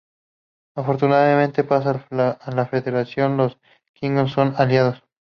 Afortunadamente para la Federación, los Klingon son sus aliados.